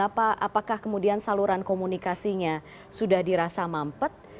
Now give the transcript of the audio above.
apakah kemudian saluran komunikasinya sudah dirasa mampet